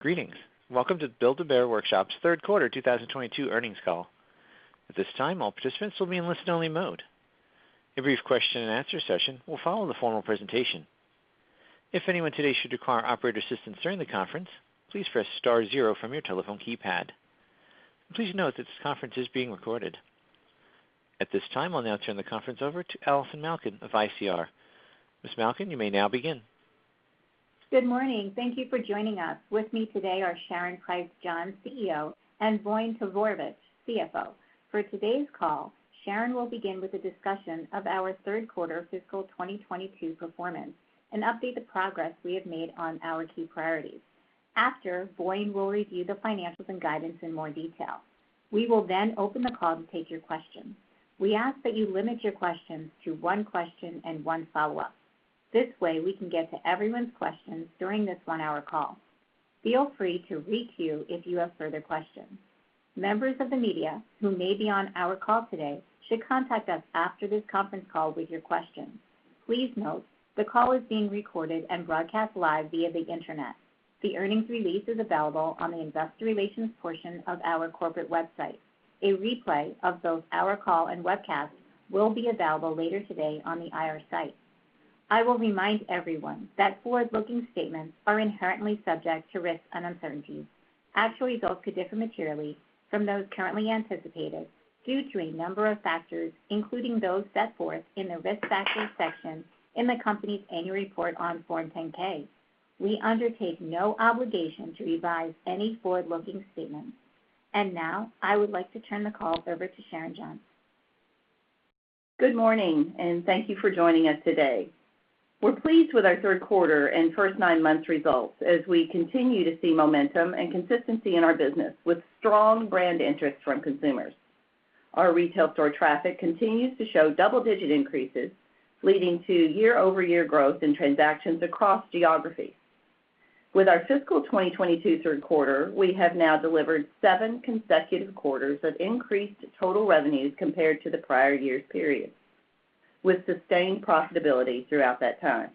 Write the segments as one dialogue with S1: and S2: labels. S1: Greetings. Welcome to the Build-A-Bear Workshop's third quarter 2022 earnings call. At this time, all participants will be in listen-only mode. A brief question-and-answer session will follow the formal presentation. If anyone today should require operator assistance during the conference, please press star zero from your telephone keypad. Please note that this conference is being recorded. At this time, I'll now turn the conference over to Allison Malkin of ICR. Ms. Malkin, you may now begin.
S2: Good morning. Thank you for joining us. With me today are Sharon Price John, CEO, and Voin Todorovic, CFO. For today's call, Sharon will begin with a discussion of our third quarter fiscal 2022 performance and update the progress we have made on our key priorities. Voin will review the financials and guidance in more detail. We will then open the call to take your questions. We ask that you limit your questions to one question and one follow-up. This way, we can get to everyone's questions during this one-hour call. Feel free to re-queue if you have further questions. Members of the media who may be on our call today should contact us after this conference call with your questions. Please note, the call is being recorded and broadcast live via the Internet. The earnings release is available on the investor relations portion of our corporate website. A replay of both our call and webcast will be available later today on the IR site. I will remind everyone that forward-looking statements are inherently subject to risks and uncertainties. Actual results could differ materially from those currently anticipated due to a number of factors, including those set forth in the Risk Factors section in the company's annual report on Form 10-K. We undertake no obligation to revise any forward-looking statements. Now, I would like to turn the call over to Sharon John.
S3: Good morning, and thank you for joining us today. We're pleased with our third quarter and first nine months results as we continue to see momentum and consistency in our business with strong brand interest from consumers. Our retail store traffic continues to show double-digit increases, leading to year-over-year growth in transactions across geographies. With our fiscal 2022 third quarter, we have now delivered seven consecutive quarters of increased total revenues compared to the prior year's period, with sustained profitability throughout that time.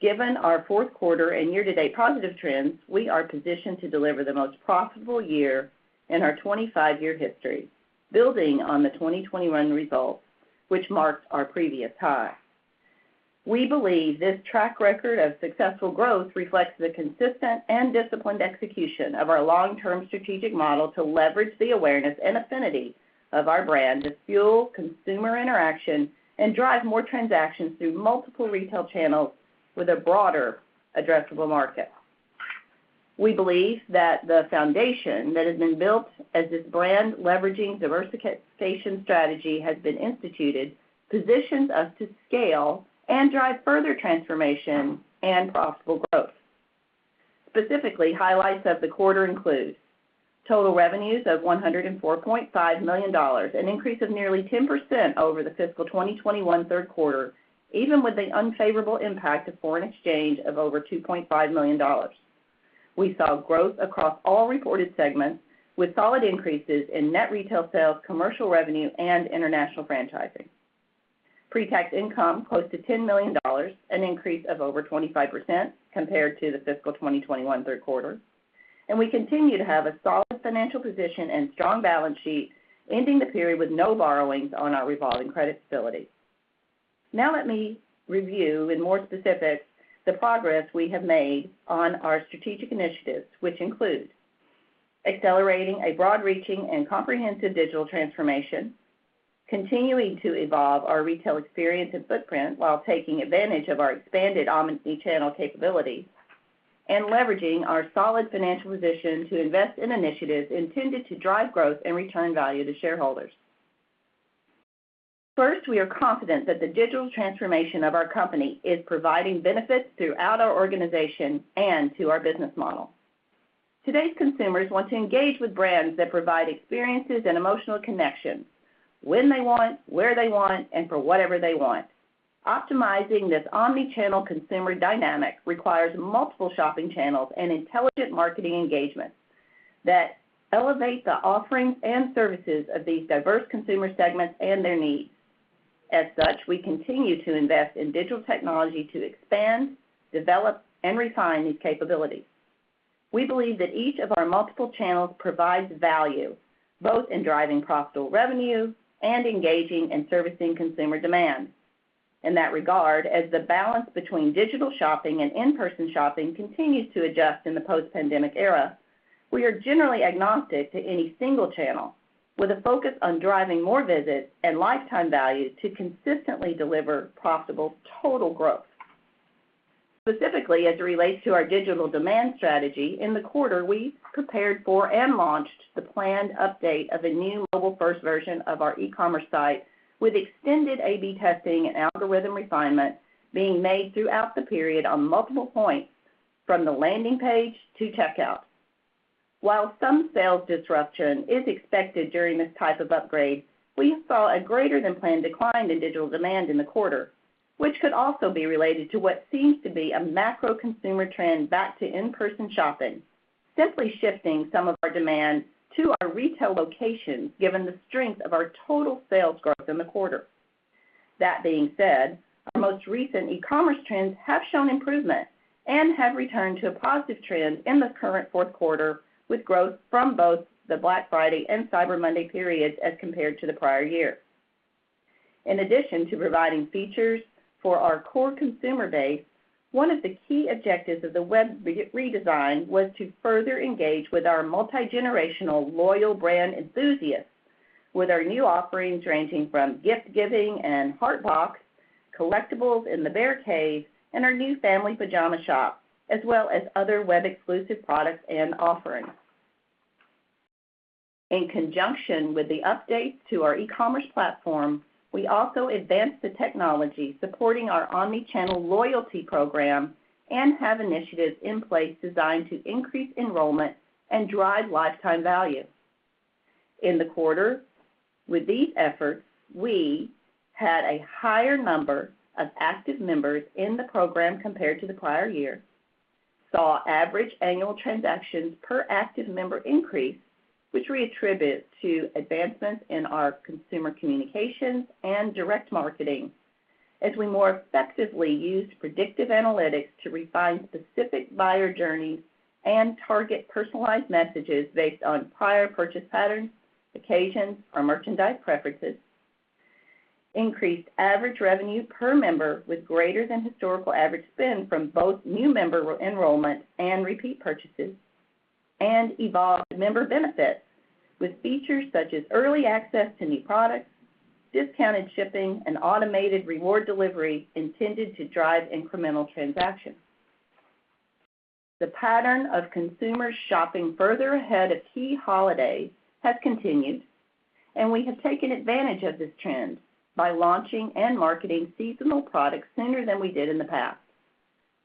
S3: Given our fourth quarter and year-to-date positive trends, we are positioned to deliver the most profitable year in our 25-year history, building on the 2021 results, which marked our previous high. We believe this track record of successful growth reflects the consistent and disciplined execution of our long-term strategic model to leverage the awareness and affinity of our brand to fuel consumer interaction and drive more transactions through multiple retail channels with a broader addressable market. We believe that the foundation that has been built as this brand-leveraging diversification strategy has been instituted positions us to scale and drive further transformation and profitable growth. Specifically, highlights of the quarter include total revenues of $104.5 million, an increase of nearly 10% over the fiscal 2021 third quarter, even with the unfavorable impact of foreign exchange of over $2.5 million. We saw growth across all reported segments, with solid increases in net retail sales, commercial revenue, and international franchising. Pre-tax income close to $10 million, an increase of over 25% compared to the fiscal 2021 third quarter. We continue to have a solid financial position and strong balance sheet, ending the period with no borrowings on our revolving credit facility. Now let me review in more specific the progress we have made on our strategic initiatives, which include accelerating a broad-reaching and comprehensive digital transformation, continuing to evolve our retail experience and footprint while taking advantage of our expanded omnichannel capabilities, and leveraging our solid financial position to invest in initiatives intended to drive growth and return value to shareholders. First, we are confident that the digital transformation of our company is providing benefits throughout our organization and to our business model. Today's consumers want to engage with brands that provide experiences and emotional connections when they want, where they want, and for whatever they want. Optimizing this omnichannel consumer dynamic requires multiple shopping channels and intelligent marketing engagements that elevate the offerings and services of these diverse consumer segments and their needs. As such, we continue to invest in digital technology to expand, develop, and refine these capabilities. We believe that each of our multiple channels provides value both in driving profitable revenue and engaging and servicing consumer demand. In that regard, as the balance between digital shopping and in-person shopping continues to adjust in the post-pandemic era, we are generally agnostic to any single channel with a focus on driving more visits and lifetime value to consistently deliver profitable total growth. Specifically, as it relates to our digital demand strategy, in the quarter, we prepared for and launched the planned update of a new mobile-first version of our e-commerce site with extended A/B testing and algorithm refinement being made throughout the period on multiple points from the landing page to checkout. While some sales disruption is expected during this type of upgrade, we saw a greater-than-planned decline in digital demand in the quarter, which could also be related to what seems to be a macro consumer trend back to in-person shopping, simply shifting some of our demand to our retail locations given the strength of our total sales growth in the quarter. That being said, our most recent e-commerce trends have shown improvement and have returned to a positive trend in the current fourth quarter, with growth from both the Black Friday and Cyber Monday periods as compared to the prior year. In addition to providing features for our core consumer base, one of the key objectives of the web re-redesign was to further engage with our multigenerational loyal brand enthusiasts with our new offerings ranging from gift giving and HeartBox, collectibles in the Bear Cave, and our new family Pajama Shop, as well as other web-exclusive products and offerings. In conjunction with the updates to our e-commerce platform, we also advanced the technology supporting our omni-channel loyalty program and have initiatives in place designed to increase enrollment and drive lifetime value. In the quarter, with these efforts, we had a higher number of active members in the program compared to the prior year. Saw average annual transactions per active member increase, which we attribute to advancements in our consumer communications and direct marketing as we more effectively used predictive analytics to refine specific buyer journeys and target personalized messages based on prior purchase patterns, occasions, or merchandise preferences. Increased average revenue per member with greater than historical average spend from both new member enrollment and repeat purchases. Evolved member benefits with features such as early access to new products, discounted shipping, and automated reward delivery intended to drive incremental transactions. The pattern of consumers shopping further ahead of key holidays has continued, and we have taken advantage of this trend by launching and marketing seasonal products sooner than we did in the past.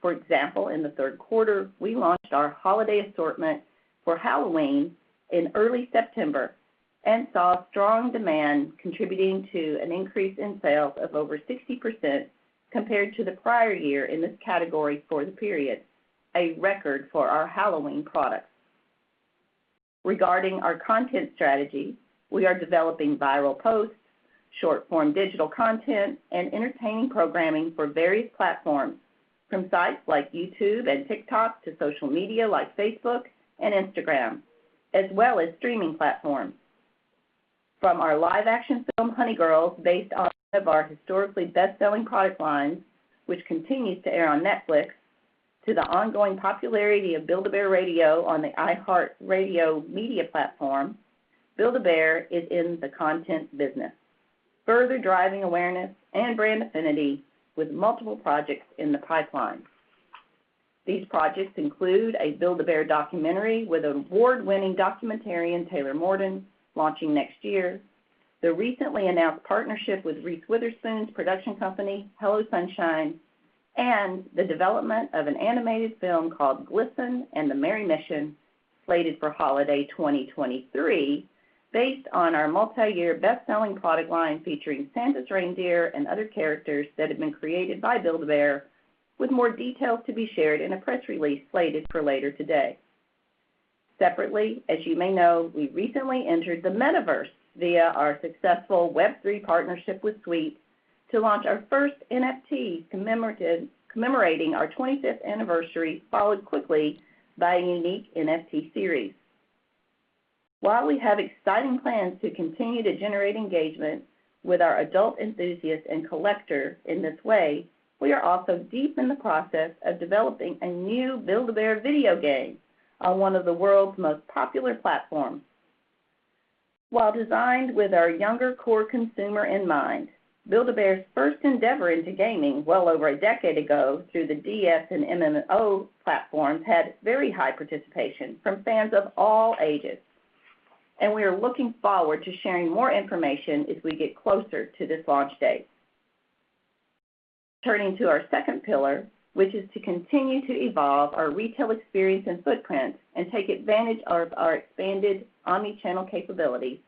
S3: For example, in the third quarter, we launched our holiday assortment for Halloween in early September and saw strong demand contributing to an increase in sales of over 60% compared to the prior year in this category for the period, a record for our Halloween products. Regarding our content strategy, we are developing viral posts, short-form digital content, and entertaining programming for various platforms from sites like YouTube and TikTok to social media like Facebook and Instagram, as well as streaming platforms. From our live-action film, Honey Girls, based off of our historically best-selling product line, which continues to air on Netflix, to the ongoing popularity of Build-A-Bear Radio on the iHeartRadio media platform, Build-A-Bear is in the content business, further driving awareness and brand affinity with multiple projects in the pipeline. These projects include a Build-A-Bear documentary with award-winning documentarian Taylor Morden launching next year, the recently announced partnership with Reese Witherspoon's production company, Hello Sunshine, and the development of an animated film called Glisten and the Merry Mission, slated for holiday 2023, based on our multiyear best-selling product line featuring Santa's reindeer and other characters that have been created by Build-A-Bear, with more details to be shared in a press release slated for later today. Separately, as you may know, we recently entered the metaverse via our successful Web3 partnership with Sweet to launch our first NFT commemorating our 25th anniversary, followed quickly by a unique NFT series. While we have exciting plans to continue to generate engagement with our adult enthusiasts and collectors in this way, we are also deep in the process of developing a new Build-A-Bear video game on one of the world's most popular platforms. While designed with our younger core consumer in mind, Build-A-Bear's first endeavor into gaming well over a decade ago through the DS and MMO platforms had very high participation from fans of all ages. We are looking forward to sharing more information as we get closer to this launch date. Turning to our second pillar, which is to continue to evolve our retail experience and footprint and take advantage of our expanded omni-channel capabilities.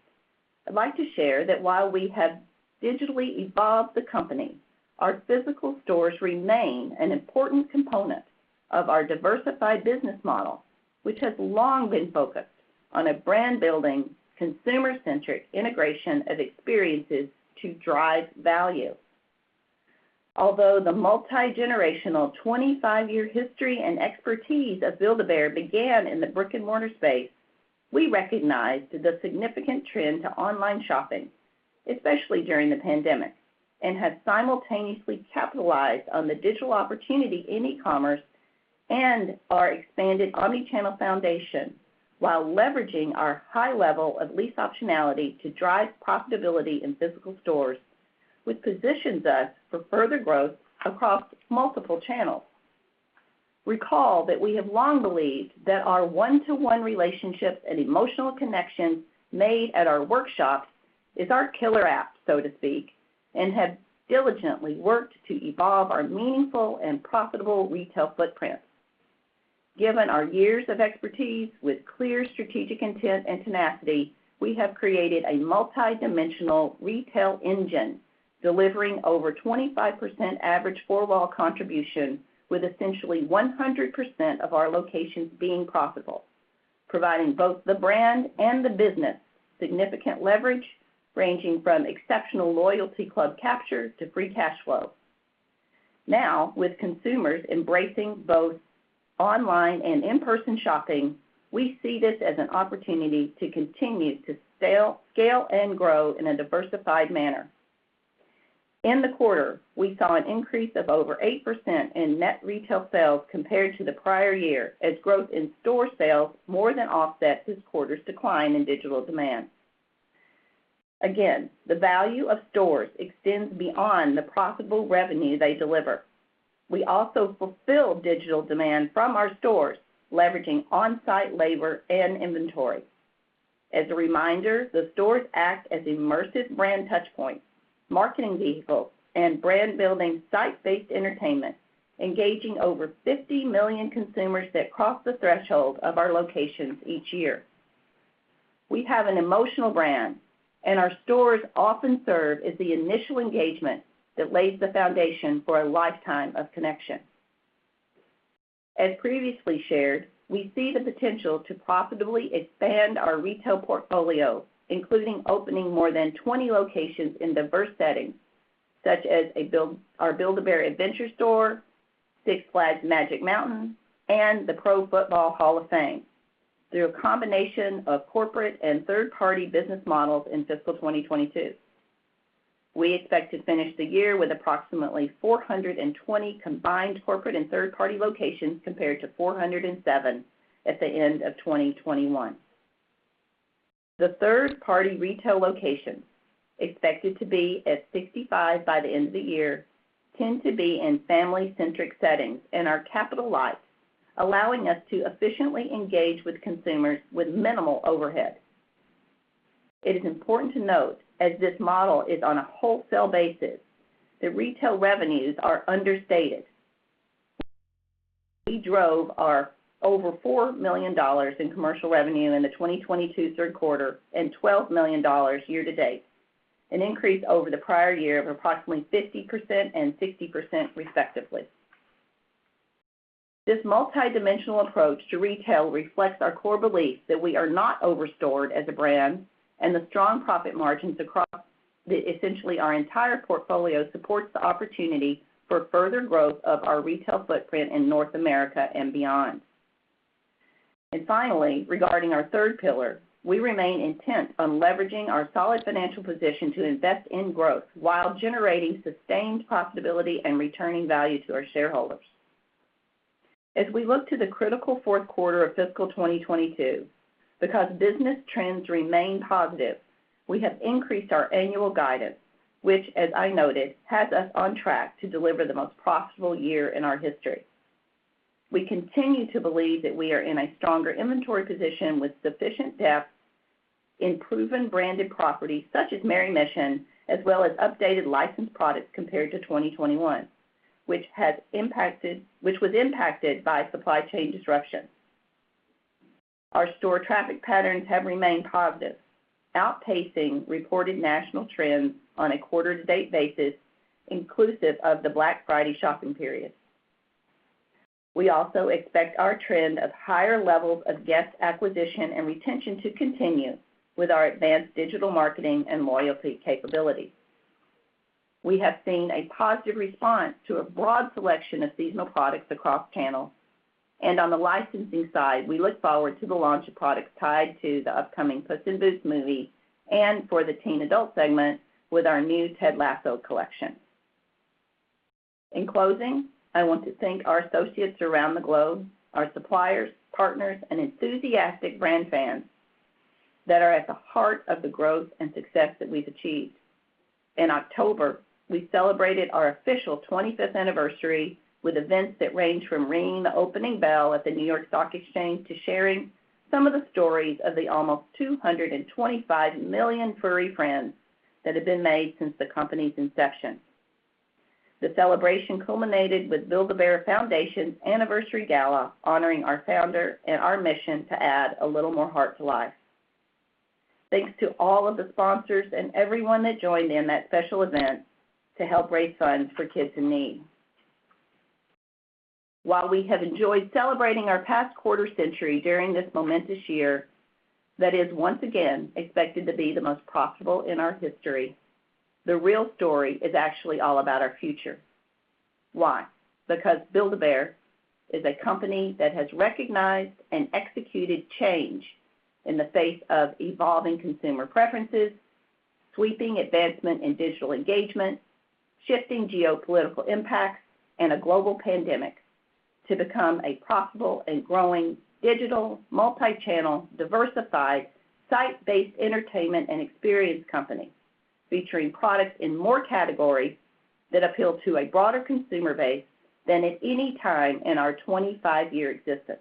S3: I'd like to share that while we have digitally evolved the company, our physical stores remain an important component of our diversified business model, which has long been focused on a brand-building, consumer-centric integration of experiences to drive value. Although the multigenerational 25-year history and expertise of Build-A-Bear began in the brick-and-mortar space, we recognized the significant trend to online shopping, especially during the pandemic, and have simultaneously capitalized on the digital opportunity in e-commerce and our expanded omni-channel foundation while leveraging our high level of lease optionality to drive profitability in physical stores, which positions us for further growth across multiple channels. Recall that we have long believed that our one-to-one relationship and emotional connection made at our workshops is our killer app, so to speak, and have diligently worked to evolve our meaningful and profitable retail footprint. Given our years of expertise with clear strategic intent and tenacity, we have created a multidimensional retail engine delivering over 25% average four-wall contribution with essentially 100% of our locations being profitable. Providing both the brand and the business significant leverage, ranging from exceptional loyalty club capture to free cash flow. With consumers embracing both online and in-person shopping, we see this as an opportunity to continue to scale and grow in a diversified manner. In the quarter, we saw an increase of over 8% in net retail sales compared to the prior year, as growth in store sales more than offset this quarter's decline in digital demand. The value of stores extends beyond the profitable revenue they deliver. We also fulfill digital demand from our stores, leveraging on-site labor and inventory. As a reminder, the stores act as immersive brand touchpoints, marketing vehicles, and brand-building site-based entertainment, engaging over 50 million consumers that cross the threshold of our locations each year. We have an emotional brand, and our stores often serve as the initial engagement that lays the foundation for a lifetime of connection. As previously shared, we see the potential to profitably expand our retail portfolio, including opening more than 20 locations in diverse settings, such as our Build-A-Bear Adventure Store, Six Flags Magic Mountain, and the Pro Football Hall of Fame. Through a combination of corporate and third-party business models in fiscal 2022. We expect to finish the year with approximately 420 combined corporate and third-party locations, compared to 407 at the end of 2021. The third-party retail locations, expected to be at 65 by the end of the year, tend to be in family-centric settings and are capital light, allowing us to efficiently engage with consumers with minimal overhead. It is important to note, as this model is on a wholesale basis, that retail revenues are understated. We drove our over $4 million in commercial revenue in the 2022 third quarter and $12 million year to date, an increase over the prior year of approximately 50% and 60% respectively. This multidimensional approach to retail reflects our core belief that we are not over-stored as a brand, and the strong profit margins across the, essentially, our entire portfolio supports the opportunity for further growth of our retail footprint in North America and beyond. Finally, regarding our third pillar, we remain intent on leveraging our solid financial position to invest in growth while generating sustained profitability and returning value to our shareholders. As we look to the critical fourth quarter of fiscal 2022, because business trends remain positive, we have increased our annual guidance, which, as I noted, has us on track to deliver the most profitable year in our history. We continue to believe that we are in a stronger inventory position with sufficient depth in proven branded properties such as Merry Mission, as well as updated licensed products compared to 2021, which was impacted by supply chain disruptions. Our store traffic patterns have remained positive, outpacing reported national trends on a quarter to date basis, inclusive of the Black Friday shopping period. We also expect our trend of higher levels of guest acquisition and retention to continue with our advanced digital marketing and loyalty capabilities. We have seen a positive response to a broad selection of seasonal products across channels. On the licensing side, we look forward to the launch of products tied to the upcoming Puss in Boots movie and for the teen adult segment with our new Ted Lasso collection. In closing, I want to thank our associates around the globe, our suppliers, partners, and enthusiastic brand fans that are at the heart of the growth and success that we've achieved. In October, we celebrated our official 25th anniversary with events that ranged from ringing the opening bell at the New York Stock Exchange to sharing some of the stories of the almost $225 million furry friends that have been made since the company's inception. The celebration culminated with Build-A-Bear Foundation's anniversary gala honoring our founder and our mission to add a little more heart to life. Thanks to all of the sponsors and everyone that joined in that special event to help raise funds for kids in need. While we have enjoyed celebrating our past quarter century during this momentous year, that is once again expected to be the most profitable in our history, the real story is actually all about our future. Why? Build-A-Bear is a company that has recognized and executed change in the face of evolving consumer preferences, sweeping advancement in digital engagement, shifting geopolitical impacts, and a global pandemic to become a profitable and growing digital, multi-channel, diversified, site-based entertainment and experience company featuring products in more categories that appeal to a broader consumer base than at any time in our 25-year existence.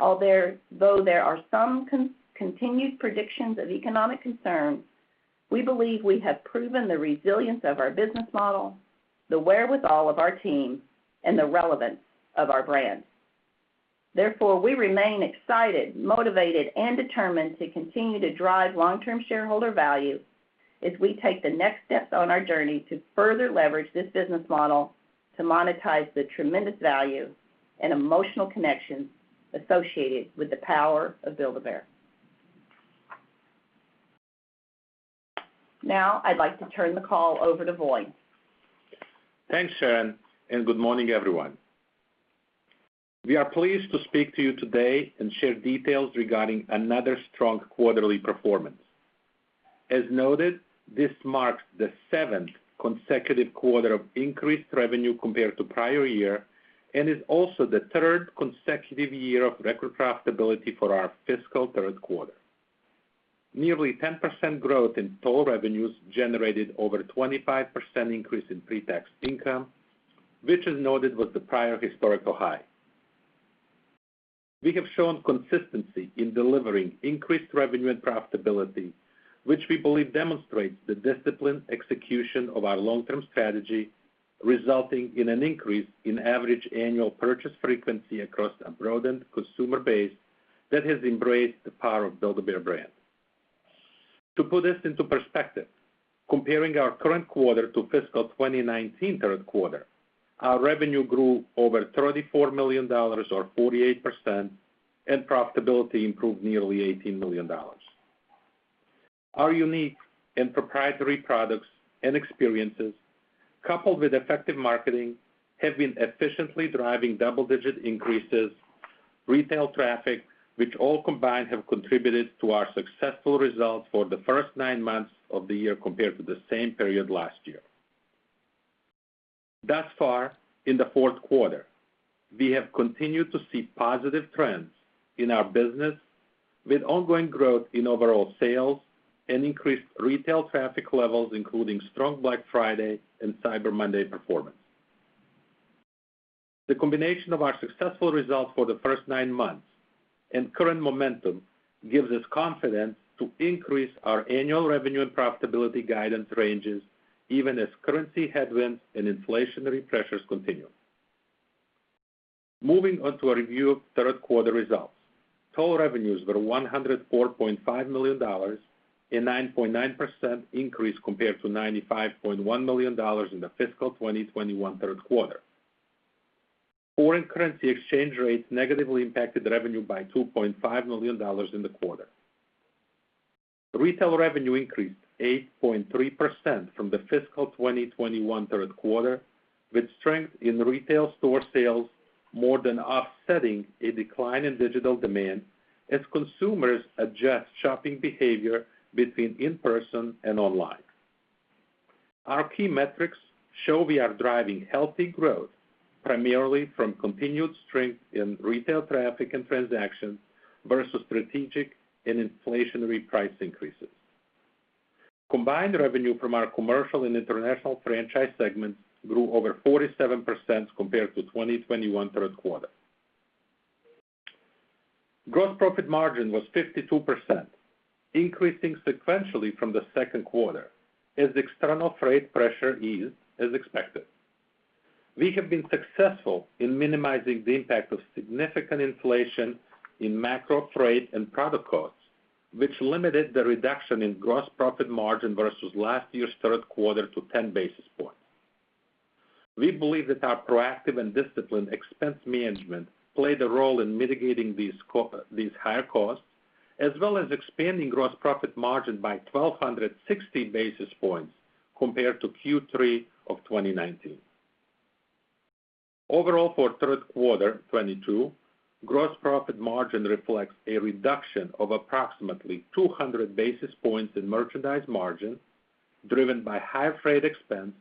S3: Although there are some continued predictions of economic concerns, we believe we have proven the resilience of our business model, the wherewithal of our team, and the relevance of our brands. We remain excited, motivated, and determined to continue to drive long-term shareholder value. As we take the next steps on our journey to further leverage this business model to monetize the tremendous value and emotional connection associated with the power of Build-A-Bear. I'd like to turn the call over to Voin.
S4: Thanks, Sharon. Good morning, everyone. We are pleased to speak to you today and share details regarding another strong quarterly performance. As noted, this marks the seventh consecutive quarter of increased revenue compared to prior year. This is also the third consecutive year of record profitability for our fiscal third quarter. Nearly 10% growth in total revenues generated over 25% increase in pre-tax income, which as noted, was the prior historical high. We have shown consistency in delivering increased revenue and profitability, which we believe demonstrates the disciplined execution of our long-term strategy, resulting in an increase in average annual purchase frequency across a broadened consumer base that has embraced the power of Build-A-Bear brand. To put this into perspective, comparing our current quarter to fiscal 2019 third quarter, our revenue grew over $34 million or 48%. Profitability improved nearly $18 million. Our unique and proprietary products and experiences, coupled with effective marketing, have been efficiently driving double-digit increases, retail traffic, which all combined have contributed to our successful results for the first nine months of the year compared to the same period last year. Thus far, in the fourth quarter, we have continued to see positive trends in our business with ongoing growth in overall sales and increased retail traffic levels, including strong Black Friday and Cyber Monday performance. The combination of our successful results for the first nine months and current momentum gives us confidence to increase our annual revenue and profitability guidance ranges, even as currency headwinds and inflationary pressures continue. Moving on to a review of third quarter results. Total revenues were $104.5 million, a 9.9% increase compared to $95.1 million in the fiscal 2021 third quarter. Foreign currency exchange rates negatively impacted revenue by $2.5 million in the quarter. Retail revenue increased 8.3% from the fiscal 2021 third quarter, with strength in retail store sales more than offsetting a decline in digital demand as consumers adjust shopping behavior between in person and online. Our key metrics show we are driving healthy growth, primarily from continued strength in retail traffic and transactions versus strategic and inflationary price increases. Combined revenue from our commercial and international franchise segments grew over 47% compared to 2021 third quarter. Gross profit margin was 52%, increasing sequentially from the second quarter as external freight pressure eased as expected. We have been successful in minimizing the impact of significant inflation in macro freight and product costs, which limited the reduction in gross profit margin versus last year's third quarter to 10 basis points. We believe that our proactive and disciplined expense management played a role in mitigating these higher costs, as well as expanding gross profit margin by 1,260 basis points compared to Q3 of 2019. Overall, for third quarter 2022, gross profit margin reflects a reduction of approximately 200 basis points in merchandise margin, driven by higher freight expense,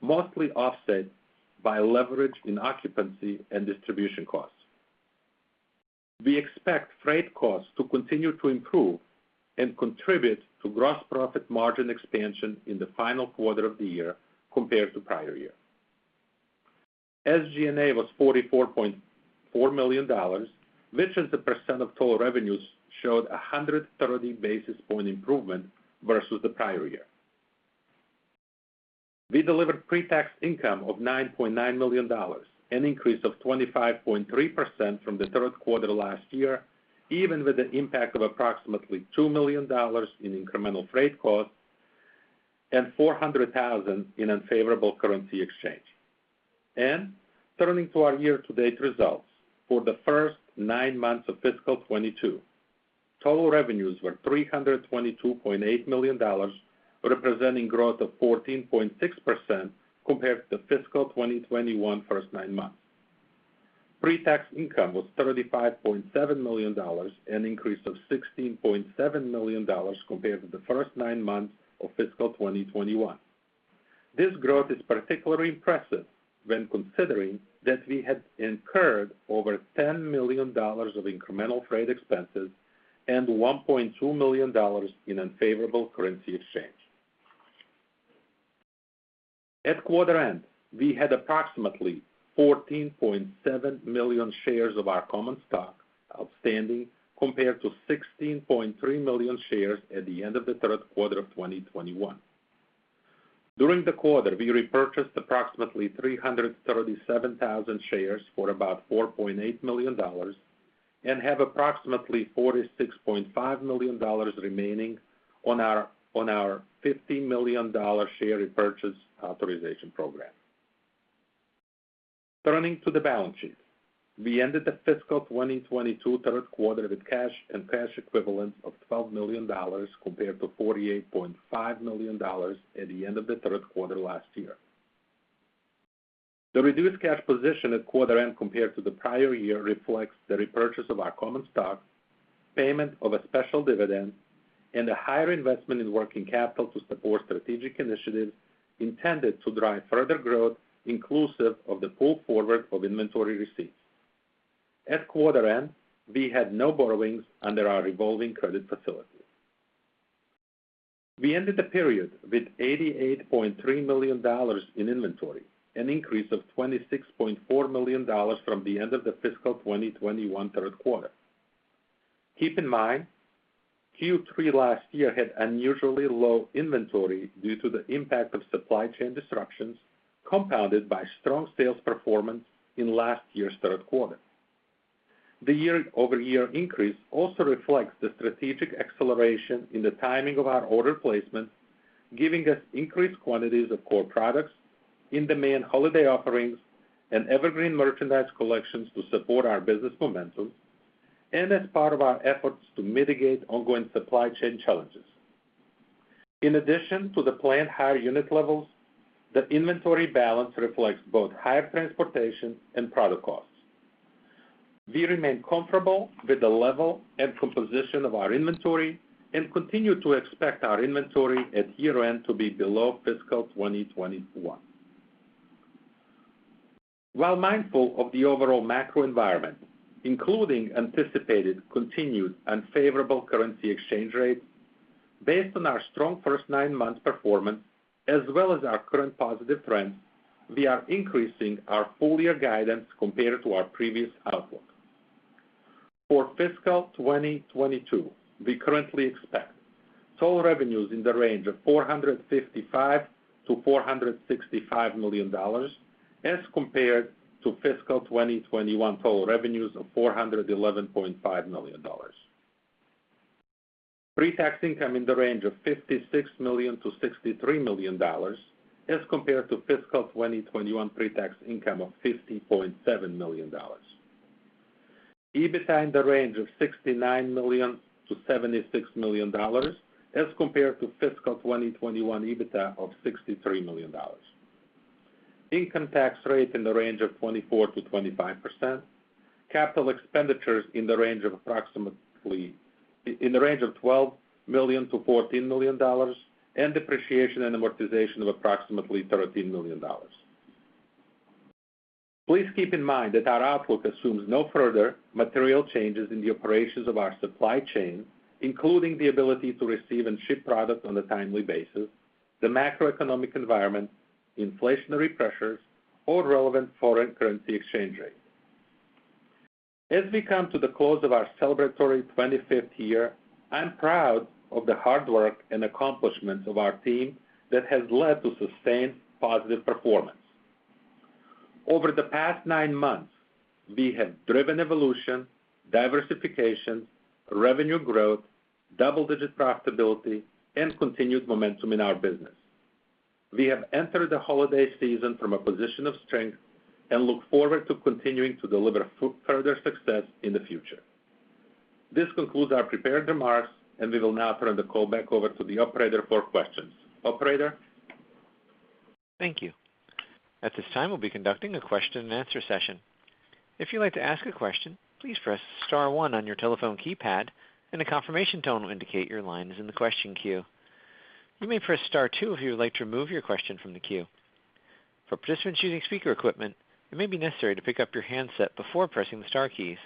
S4: mostly offset by leverage in occupancy and distribution costs. We expect freight costs to continue to improve and contribute to gross profit margin expansion in the final quarter of the year compared to prior year. SG&A was $44.4 million, which as a percenatge of total revenues, showed 130 basis point improvement versus the prior year. We delivered pre-tax income of $9.9 million, an increase of 25.3% from the third quarter last year, even with an impact of approximately $2 million in incremental freight costs and $400,000 in unfavorable currency exchange. Turning to our year-to-date results. For the first nine months of fiscal 2022, total revenues were $322.8 million, representing growth of 14.6% compared to fiscal 2021 first nine months. Pre-tax income was $35.7 million, an increase of $16.7 million compared to the first nine months of fiscal 2021. This growth is particularly impressive when considering that we had incurred over $10 million of incremental freight expenses and $1.2 million in unfavorable currency exchange. At quarter end, we had approximately 14.7 million shares of our common stock outstanding compared to 16.3 million shares at the end of the third quarter of 2021. During the quarter, we repurchased approximately 337,000 shares for about $4.8 million and have approximately $46.5 million remaining on our $50 million share repurchase authorization program. Turning to the balance sheet. We ended the fiscal 2022 third quarter with cash and cash equivalents of $12 million compared to $48.5 million at the end of the third quarter last year. The reduced cash position at quarter end compared to the prior year reflects the repurchase of our common stock, payment of a special dividend, and a higher investment in working capital to support strategic initiatives intended to drive further growth inclusive of the pull forward of inventory receipts. At quarter end, we had no borrowings under our revolving credit facility. We ended the period with $88.3 million in inventory, an increase of $26.4 million from the end of the fiscal 2021 third quarter. Keep in mind, Q3 last year had unusually low inventory due to the impact of supply chain disruptions, compounded by strong sales performance in last year's third quarter. The year-over-year increase also reflects the strategic acceleration in the timing of our order placement, giving us increased quantities of core products, in-demand holiday offerings, and evergreen merchandise collections to support our business momentum and as part of our efforts to mitigate ongoing supply chain challenges. In addition to the planned higher unit levels, the inventory balance reflects both higher transportation and product costs. We remain comfortable with the level and composition of our inventory and continue to expect our inventory at year-end to be below fiscal 2021. While mindful of the overall macro environment, including anticipated continued unfavorable currency exchange rates, based on our strong first nine months performance as well as our current positive trends, we are increasing our full-year guidance compared to our previous outlook. For fiscal 2022, we currently expect total revenues in the range of $455 million-$465 million as compared to fiscal 2021 total revenues of $411.5 million. Pre-tax income in the range of $56 million-$63 million as compared to fiscal 2021 pre-tax income of $50.7 million. EBITDA in the range of $69 million-$76 million as compared to fiscal 2021 EBITDA of $63 million. Income tax rate in the range of 24%-25%. Capital expenditures in the range of approximately in the range of $12 million-$14 million, and depreciation and amortization of approximately $13 million. Please keep in mind that our outlook assumes no further material changes in the operations of our supply chain, including the ability to receive and ship product on a timely basis, the macroeconomic environment, inflationary pressures, or relevant foreign currency exchange rates. As we come to the close of our celebratory 25th year, I'm proud of the hard work and accomplishments of our team that has led to sustained positive performance. Over the past nine months, we have driven evolution, diversification, revenue growth, double-digit profitability, and continued momentum in our business. We have entered the holiday season from a position of strength and look forward to continuing to deliver further success in the future. This concludes our prepared remarks. We will now turn the call back over to the operator for questions. Operator?
S1: Thank you. At this time, we'll be conducting a question-and-answer session. If you'd like to ask a question, please press star one on your telephone keypad, and a confirmation tone will indicate your line is in the question queue. You may press star two if you would like to remove your question from the queue. For participants using speaker equipment, it may be necessary to pick up your handset before pressing the star keys.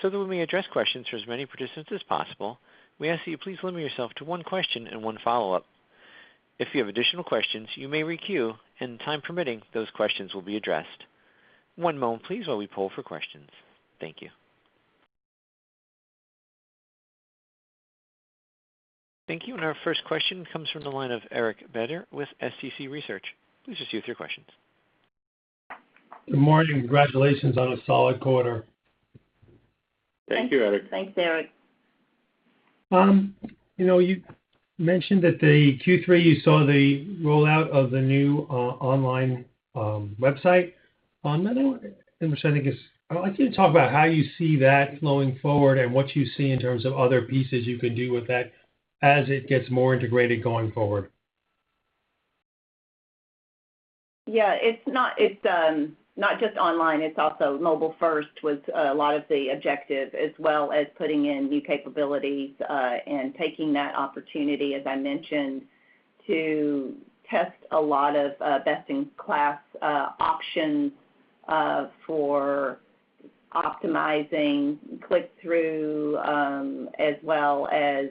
S1: That we may address questions for as many participants as possible, we ask that you please limit yourself to one question and one follow-up. If you have additional questions, you may re-queue, and time permitting, those questions will be addressed. One moment, please, while we poll for questions. Thank you. Thank you. Our first question comes from the line of Eric Beder with Small Cap Consumer Research. Please proceed with your questions.
S5: Good morning. Congratulations on a solid quarter.
S4: Thank you, Eric.
S3: Thanks, Eric.
S5: You know, you mentioned that the Q3, you saw the rollout of the new online website. I'd like you to talk about how you see that flowing forward and what you see in terms of other pieces you could do with that as it gets more integrated going forward.
S3: Yeah. It's not, it's not just online, it's also mobile first with a lot of the objective, as well as putting in new capabilities and taking that opportunity, as I mentioned, to test a lot of best-in-class options for optimizing click-through, as well as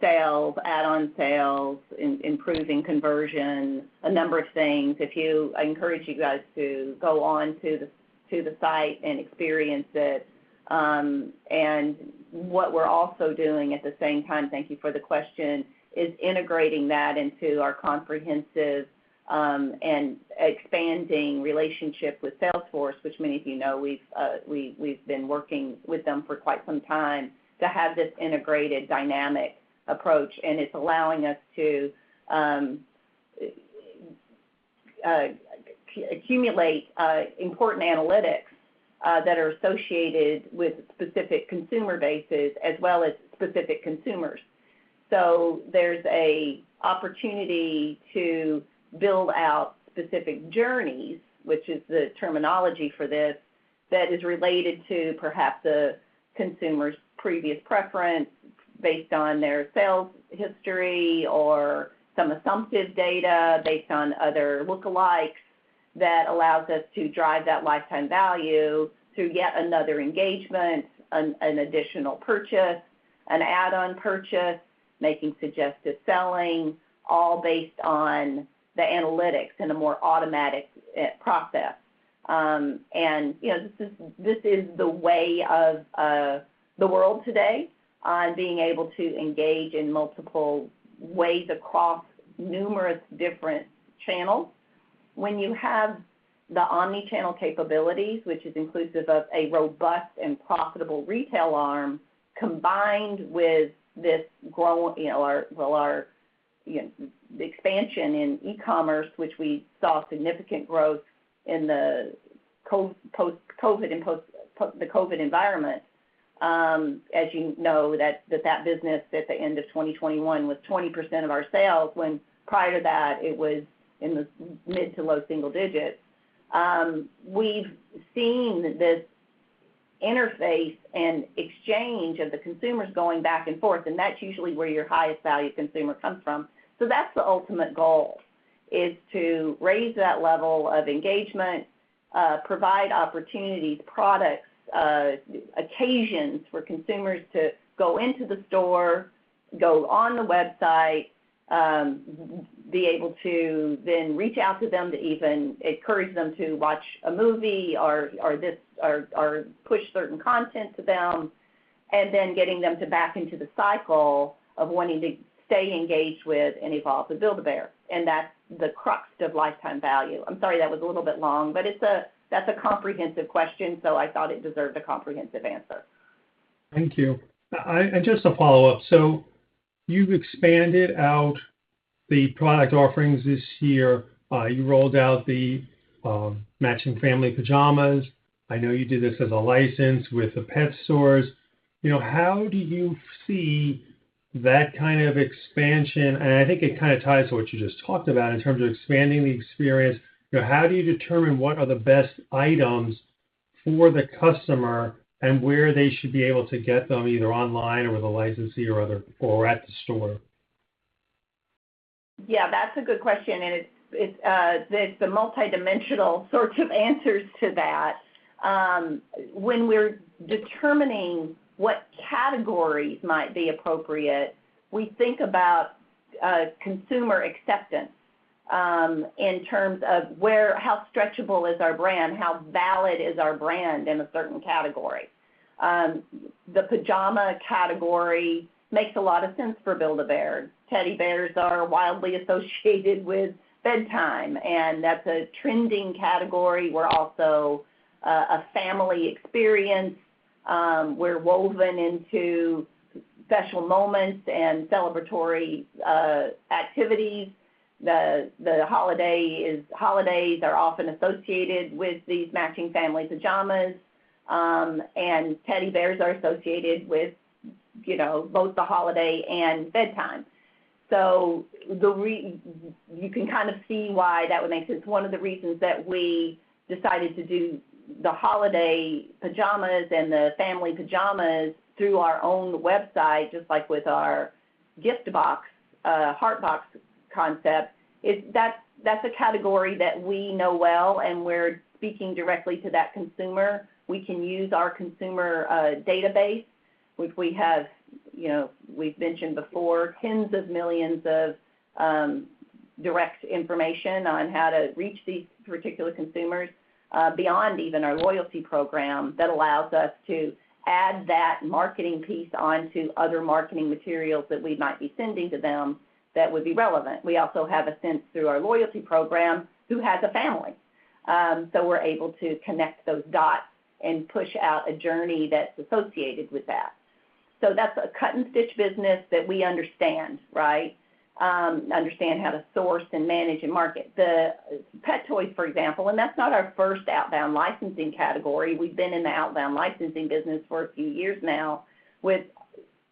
S3: sales, add-on sales, improving conversion, a number of things. I encourage you guys to go onto the site and experience it. What we're also doing at the same time, thank you for the question, is integrating that into our comprehensive and expanding relationship with Salesforce, which many of you know, we've been working with them for quite some time to have this integrated dynamic approach, and it's allowing us to accumulate important analytics that are associated with specific consumer bases as well as specific consumers. There's a opportunity to build out specific journeys, which is the terminology for this, that is related to perhaps a consumer's previous preference based on their sales history or some assumptive data based on other lookalikes that allows us to drive that lifetime value through yet another engagement, an additional purchase, an add-on purchase, making suggestive selling, all based on the analytics in a more automatic process. You know, this is, this is the way of the world today on being able to engage in multiple ways across numerous different channels. When you have the omni-channel capabilities, which is inclusive of a robust and profitable retail arm, combined with this you know, our, you know, the expansion in e-commerce, which we saw significant growth in the post-COVID and the COVID environment, as you know, that business at the end of 2021 was 20% of our sales, when prior to that, it was in the mid to low single digits. We've seen this interface and exchange of the consumers going back and forth, and that's usually where your highest value consumer comes from. That's the ultimate goal is to raise that level of engagement, provide opportunities, products, occasions for consumers to go into the store, go on the website, be able to then reach out to them to even encourage them to watch a movie or push certain content to them, and then getting them to back into the cycle of wanting to stay engaged with and evolve with Build-A-Bear. That's the crux of lifetime value. I'm sorry that was a little bit long, but it's a, that's a comprehensive question, so I thought it deserved a comprehensive answer.
S5: Thank you. Just a follow-up. You've expanded out the product offerings this year. You rolled out the matching family pajamas. I know you did this as a license with the pet stores. You know, how do you see that kind of expansion, and I think it kind of ties to what you just talked about in terms of expanding the experience. You know, how do you determine what are the best items for the customer and where they should be able to get them, either online or with a licensee or other, or at the store?
S3: Yeah, that's a good question. It's a multidimensional sorts of answers to that. When we're determining what categories might be appropriate, we think about consumer acceptance, in terms of where, how stretchable is our brand, how valid is our brand in a certain category. The pajama category makes a lot of sense for Build-A-Bear. Teddy bears are wildly associated with bedtime, and that's a trending category. We're also a family experience. We're woven into special moments and celebratory activities. The holiday is, holidays are often associated with these matching family pajamas, and teddy bears are associated with, you know, both the holiday and bedtime. You can kind of see why that would make sense. One of the reasons that we decided to do the holiday pajamas and the family pajamas through our own website, just like with our HeartBox concept, that's a category that we know well, and we're speaking directly to that consumer. We can use our consumer database, which we have, you know, we've mentioned before, tens of millions of direct information on how to reach these particular consumers, beyond even our loyalty program that allows us to add that marketing piece onto other marketing materials that we might be sending to them that would be relevant. We also have a sense through our loyalty program who has a family. We're able to connect those dots and push out a journey that's associated with that. That's a cut-and-stitch business that we understand, right? Understand how to source and manage and market. The pet toys, for example, that's not our first outbound licensing category. We've been in the outbound licensing business for a few years now with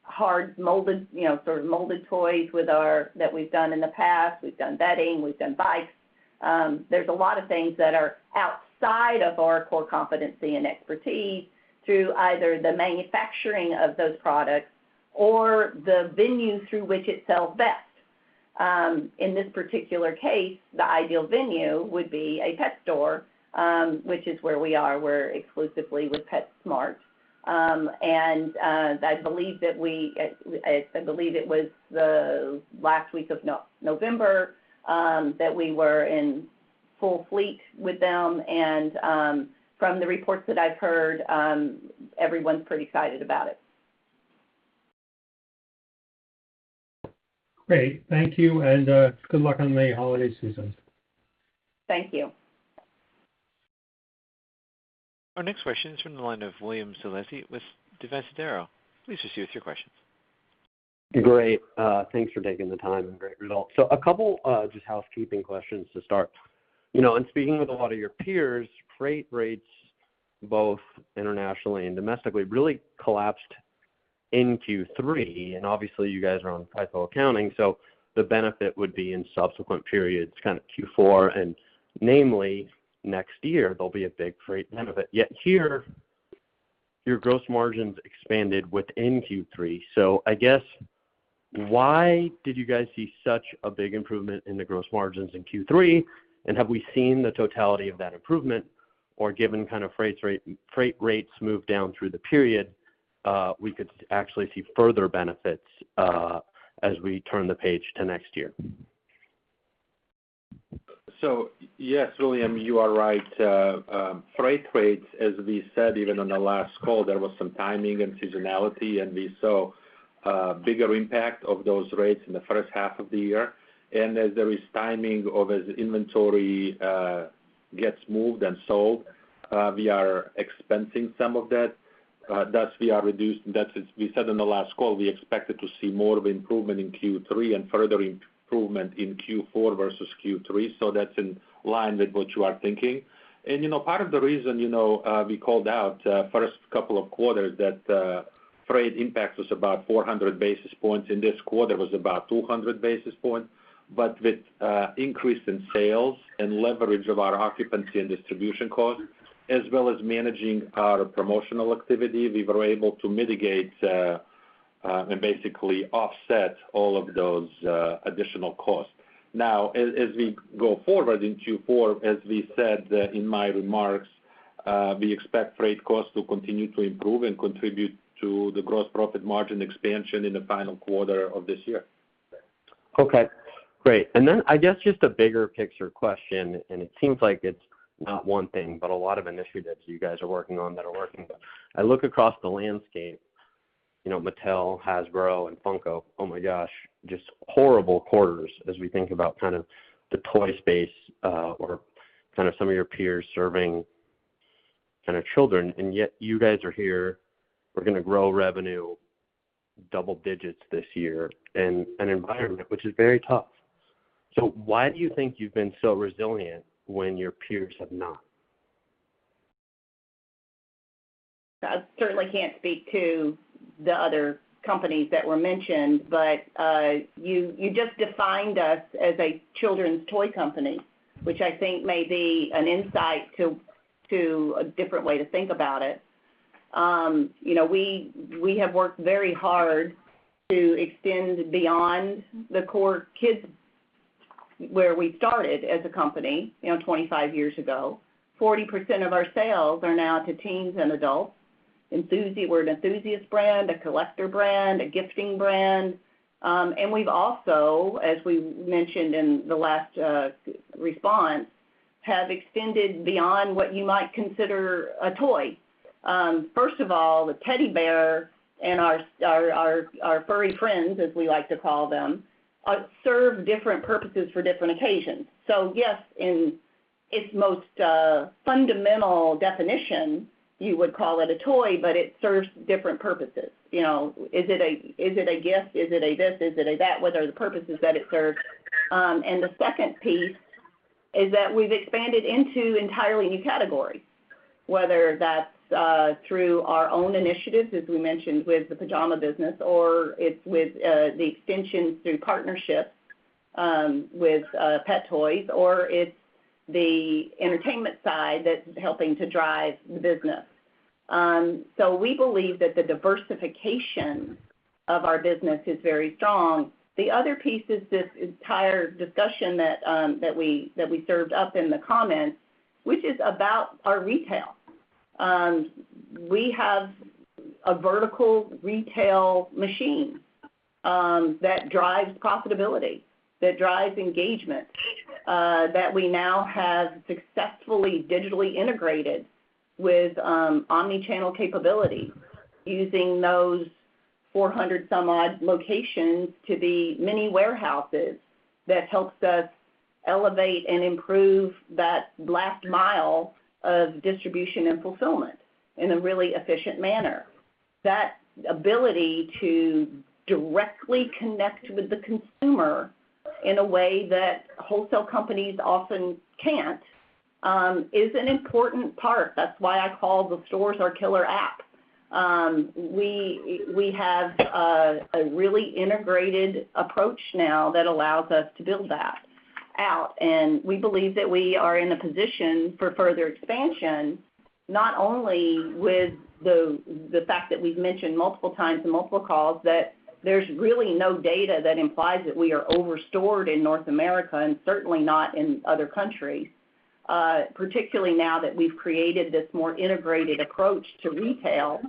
S3: hard molded, you know, sort of molded toys that we've done in the past. We've done bedding. We've done bikes. There's a lot of things that are outside of our core competency and expertise through either the manufacturing of those products or the venue through which it sells best. In this particular case, the ideal venue would be a pet store, which is where we are. We're exclusively with PetSmart. I believe that we, I believe it was the last week of November that we were in full fleet with them, from the reports that I've heard, everyone's pretty excited about it.
S5: Great. Thank you. Good luck on the holiday season.
S3: Thank you.
S1: Our next question is from the line of William Zolezzi with Divisadero. Please proceed with your question.
S6: Great. Thanks for taking the time, and great results. A couple, just housekeeping questions to start. You know, in speaking with a lot of your peers, freight rates, both internationally and domestically, really collapsed in Q3, and obviously you guys are on title accounting, so the benefit would be in subsequent periods, kind of Q4 and namely next year, there'll be a big freight benefit. Yet here, your gross margins expanded within Q3. I guess, why did you guys see such a big improvement in the gross margins in Q3? Have we seen the totality of that improvement? Or given kind of freight rates move down through the period, we could actually see further benefits, as we turn the page to next year.
S4: Yes, William, you are right. Freight rates, as we said even on the last call, there was some timing and seasonality, and we saw a bigger impact of those rates in the first half of the year. As there is timing of as inventory gets moved and sold, we are expensing some of that. Thus we are reduced, and that's as we said in the last call, we expected to see more of improvement in Q3 and further improvement in Q4 versus Q3. That's in line with what you are thinking. You know, part of the reason, you know, we called out first couple of quarters that freight impact was about 400 basis points. In this quarter, it was about 200 basis points. With increase in sales and leverage of our occupancy and distribution costs, as well as managing our promotional activity, we were able to mitigate and basically offset all of those additional costs. Now, as we go forward in Q4, as we said in my remarks, we expect freight costs to continue to improve and contribute to the gross profit margin expansion in the final quarter of this year.
S6: Okay, great. I guess just a bigger picture question, it seems like it's not 1 thing, but a lot of initiatives you guys are working on that are working. I look across the landscape, you know, Mattel, Hasbro, and Funko, oh my gosh, just horrible quarters as we think about kind of the toy space, or kind of some of your peers serving kind of children. Yet you guys are here, we're gonna grow revenue double digits this year in an environment which is very tough. Why do you think you've been so resilient when your peers have not?
S3: I certainly can't speak to the other companies that were mentioned, but you just defined us as a children's toy company, which I think may be an insight to a different way to think about it. You know, we have worked very hard to extend beyond the core kids where we started as a company, you know, 25 years ago. 40% of our sales are now to teens and adults. Enthusiast, we're an enthusiast brand, a collector brand, a gifting brand. We've also, as we mentioned in the last response, have extended beyond what you might consider a toy. First of all, the teddy bear and our furry friends, as we like to call them, serve different purposes for different occasions. Yes, in its most fundamental definition, you would call it a toy, but it serves different purposes. You know, is it a, is it a gift? Is it a this? Is it a that? What are the purposes that it serves? The second piece is that we've expanded into entirely new categories, whether that's through our own initiatives, as we mentioned with the pajama business, or it's with the extension through partnerships with pet toys, or it's the entertainment side that's helping to drive the business. We believe that the diversification of our business is very strong. The other piece is this entire discussion that we served up in the comments, which is about our retail. We have a vertical retail machine that drives profitability, that drives engagement, that we now have successfully digitally integrated with omni-channel capability using those 400 some odd locations to be mini warehouses that helps us elevate and improve that last mile of distribution and fulfillment in a really efficient manner. That ability to directly connect with the consumer in a way that wholesale companies often can't, is an important part. That's why I call the stores our killer app. We have a really integrated approach now that allows us to build that out. We believe that we are in a position for further expansion, not only with the fact that we've mentioned multiple times in multiple calls that there's really no data that implies that we are over-stored in North America and certainly not in other countries, particularly now that we've created this more integrated approach to retail,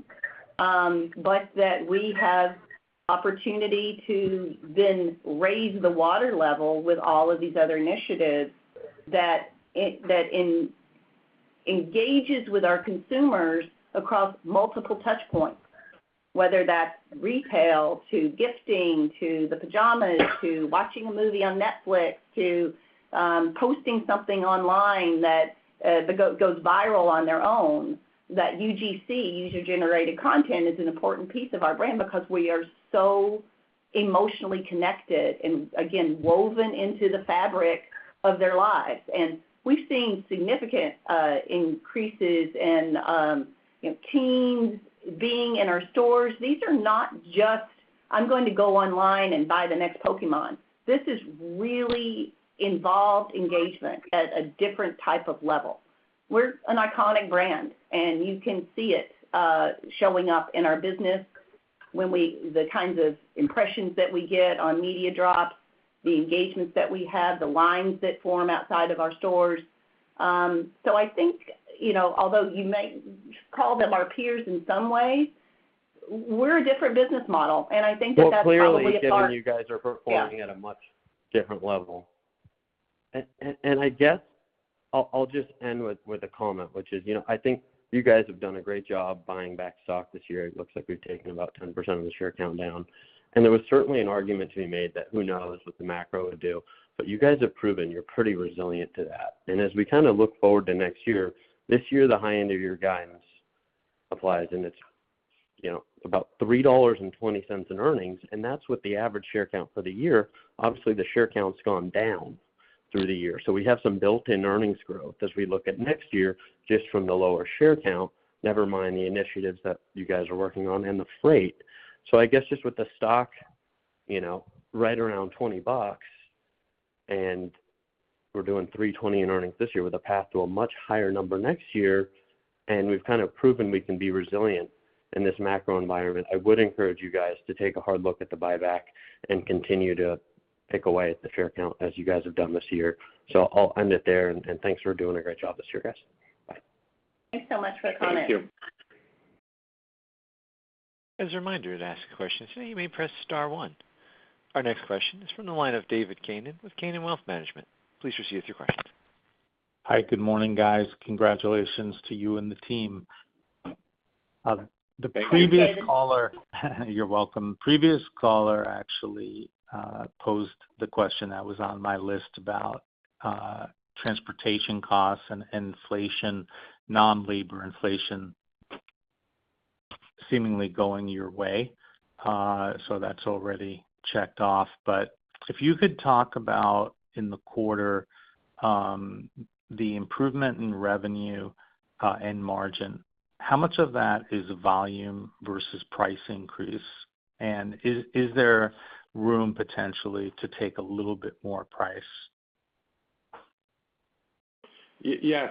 S3: but that we have opportunity to then raise the water level with all of these other initiatives that engages with our consumers across multiple touch points, whether that's retail to gifting, to the pajamas, to watching a movie on Netflix, to posting something online that goes viral on their own, that UGC, user-generated content, is an important piece of our brand because we are so emotionally connected and, again, woven into the fabric of their lives. We've seen significant increases in, you know, teens being in our stores. These are not just, "I'm going to go online and buy the next Pokémon." This is really involved engagement at a different type of level. We're an iconic brand, and you can see it showing up in our business when the kinds of impressions that we get on media drops, the engagements that we have, the lines that form outside of our stores. I think, you know, although you may call them our peers in some ways, we're a different business model, and I think that that's probably at large-
S6: Well, clearly, given you guys are performing at a much different level. I guess I'll just end with a comment, which is, you know, I think you guys have done a great job buying back stock this year. It looks like we've taken about 10% of the share count down. There was certainly an argument to be made that who knows what the macro would do, but you guys have proven you're pretty resilient to that. As we kinda look forward to next year, this year, the high end of your guidance applies, and it's, you know, about $3.20 in earnings, and that's with the average share count for the year. Obviously, the share count's gone down through the year. We have some built-in earnings growth as we look at next year, just from the lower share count, never mind the initiatives that you guys are working on and the freight. I guess just with the stock, you know, right around $20, and we're doing $3.20 in earnings this year with a path to a much higher number next year, and we've kind of proven we can be resilient in this macro environment, I would encourage you guys to take a hard look at the buyback and continue to pick away at the share count as you guys have done this year. I'll end it there, and thanks for doing a great job this year, guys. Bye.
S3: Thanks so much for the comment.
S4: Thank you.
S1: As a reminder, to ask a question today, you may press star one. Our next question is from the line of David Kanen with Kanen Wealth Management. Please proceed with your question.
S7: Hi. Good morning, guys. Congratulations to you and the team. The previous caller.
S3: Thank you, David.
S7: You're welcome. Previous caller actually, posed the question that was on my list about transportation costs and inflation, non-labor inflation seemingly going your way. That's already checked off. If you could talk about in the quarter, the improvement in revenue, and margin, how much of that is volume versus price increase? Is there room potentially to take a little bit more price?
S4: Dave,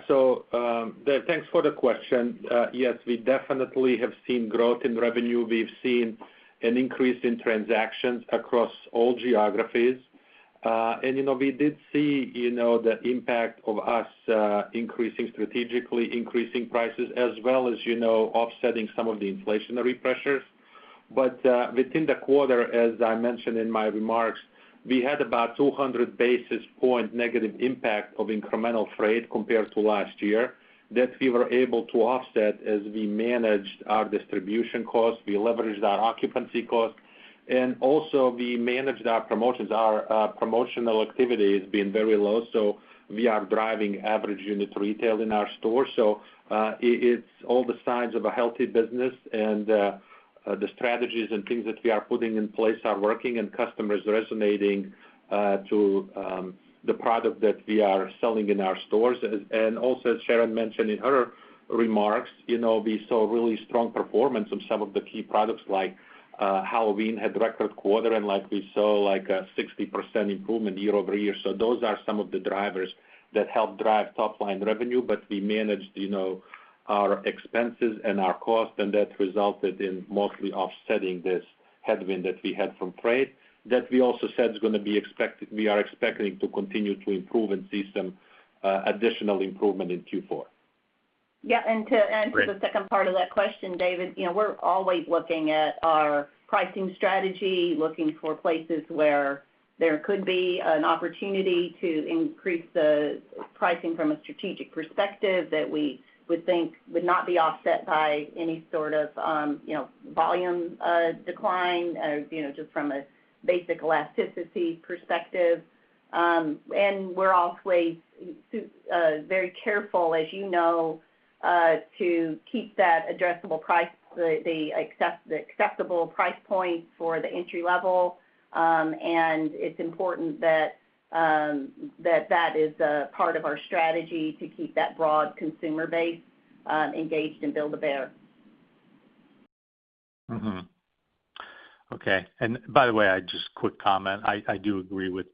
S4: thanks for the question. Yes, we definitely have seen growth in revenue. We've seen an increase in transactions across all geographies. You know, we did see, you know, the impact of us increasing strategically, increasing prices, as well as, you know, offsetting some of the inflationary pressures. Within the quarter, as I mentioned in my remarks, we had about 200 basis point negative impact of incremental freight compared to last year that we were able to offset as we managed our distribution costs, we leveraged our occupancy costs, and also we managed our promotions. Our promotional activity has been very low, we are driving average unit retail in our stores. It's all the signs of a healthy business, and the strategies and things that we are putting in place are working and customers resonating to the product that we are selling in our stores. Also, as Sharon mentioned in her remarks, you know, we saw really strong performance of some of the key products, like Halloween had record quarter, and like we saw like a 60% improvement year-over-year. Those are some of the drivers that help drive top line revenue, but we managed, you know, our expenses and our cost, and that resulted in mostly offsetting this headwind that we had from freight. That we also said is gonna be expected. We are expecting to continue to improve and see some additional improvement in Q4.
S3: Yeah. To answer the second part of that question, David, you know, we're always looking at our pricing strategy, looking for places where there could be an opportunity to increase the pricing from a strategic perspective that we would think would not be offset by any sort of, you know, volume decline, you know, just from a basic elasticity perspective. We're always very careful, as you know, to keep that addressable price, the acceptable price point for the entry level. It's important that that is a part of our strategy to keep that broad consumer base engaged in Build-A-Bear.
S7: Okay. By the way, I just quick comment, I do agree with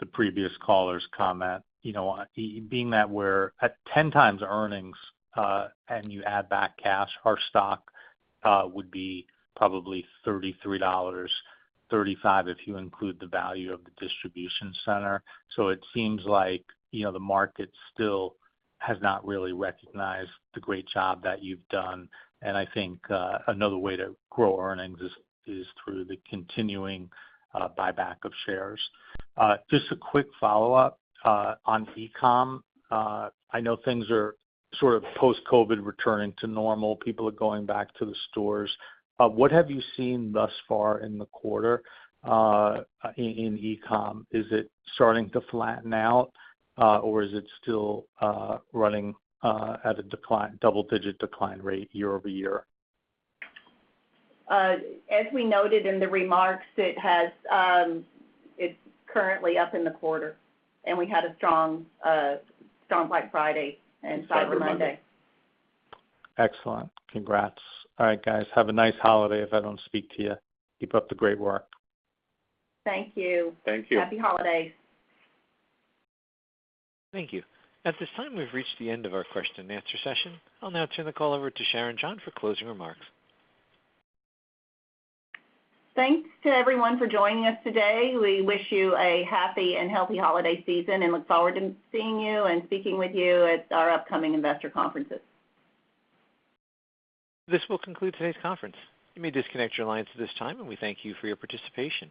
S7: the previous caller's comment. You know, being that we're at 10x earnings, and you add back cash, our stock would be probably $33-$35 if you include the value of the distribution center. It seems like, you know, the market still has not really recognized the great job that you've done. I think, another way to grow earnings is through the continuing buyback of shares. Just a quick follow-up on e-com. I know things are sort of post-COVID returning to normal. People are going back to the stores. What have you seen thus far in the quarter, in e-com? Is it starting to flatten out, or is it still running at a decline, double-digit decline rate year-over-year?
S3: As we noted in the remarks, it has, it's currently up in the quarter, and we had a strong Black Friday and Cyber Monday.
S7: Excellent. Congrats. All right, guys. Have a nice holiday if I don't speak to you. Keep up the great work.
S3: Thank you.
S4: Thank you.
S3: Happy holidays.
S1: Thank you. At this time, we've reached the end of our question and answer session. I'll now turn the call over to Sharon John for closing remarks.
S3: Thanks to everyone for joining us today. We wish you a happy and healthy holiday season and look forward to seeing you and speaking with you at our upcoming investor conferences.
S1: This will conclude today's conference. You may disconnect your lines at this time. We thank you for your participation.